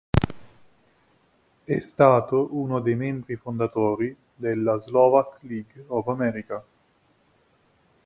È stato uno dei membri fondatori della "Slovak League of America".